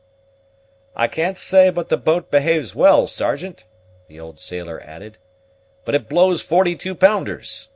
"I can't say but the boat behaves well, Sergeant," the old sailor added, "but it blows forty two pounders.